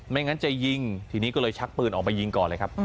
งั้นจะยิงทีนี้ก็เลยชักปืนออกไปยิงก่อนเลยครับ